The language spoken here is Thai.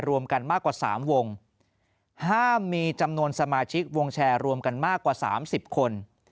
รวมกันมากกว่า๓วงห้ามมีจำนวนสมาชิกวงแชร์รวมกันมากกว่า๓๐คน